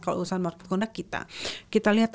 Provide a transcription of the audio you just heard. kalau usaha market conduct kita kita lihat